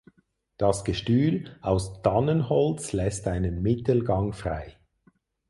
Das Gestühl aus Tannenholz lässt einen Mittelgang frei.